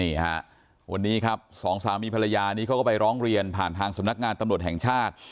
วันนี้ครับสองสามีภรรยานี้เขาก็ไปร้องเรียนผ่านทางสำนักงานตำรวจแห่งชาติ